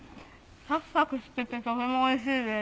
サクサクしててとてもおいしいです。